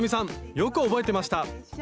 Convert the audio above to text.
よく覚えてました！